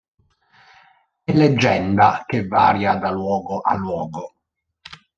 È leggenda che varia da luogo a luogo.